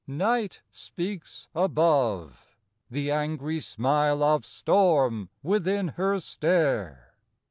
Night speaks above; the angry smile Of storm within her stare.